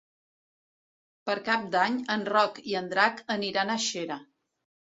Per Cap d'Any en Roc i en Drac aniran a Xera.